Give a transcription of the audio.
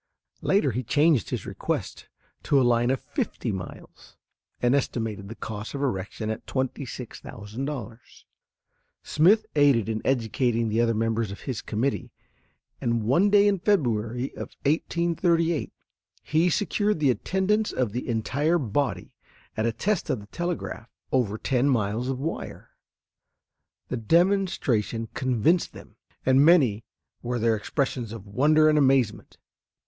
Later he changed his request to a line of fifty miles, and estimated the cost of erection at $26,000. Smith aided in educating the other members of his committee, and one day in February of 1838 he secured the attendance of the entire body at a test of the telegraph over ten miles of wire. The demonstration convinced them, and many were their expressions of wonder and amazement.